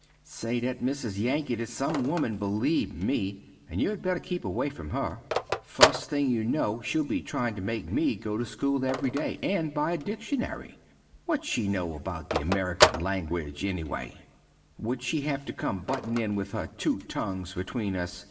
Say that missis Yankit is some woman beleeve me and you had better keep away from her, fust thing you no she'll be trying to make me go to school every day and buy a dicshunary. What she no about the American languidge ennyway? what she have to come buttin in with her too tongues between us?